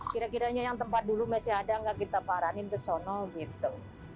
kira kiranya yang tempat dulu masih ada nggak kita paranin ke sana gitu